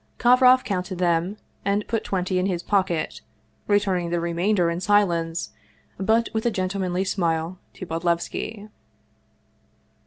Kovroff counted them, and put twenty in his pocket, returning the remainder in silence, but with a gentlemanly smile, to Bodlevski.